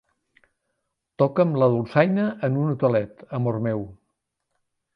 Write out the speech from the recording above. Toca'm la dolçaina en un hotelet, amor meu.